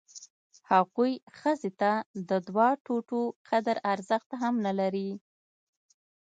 هغوی ښځې ته د دوه توتو قدر ارزښت هم نه لري.